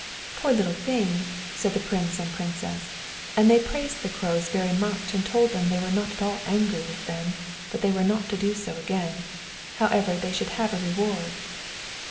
"Poor little thing!" said the Prince and the Princess, and they praised the Crows very much, and told them they were not at all angry with them, but they were not to do so again. However, they should have a reward.